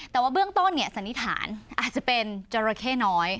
แต่ว่าเบื้องต้นสันนิษฐานอาจจะเป็นจราเข้น้อย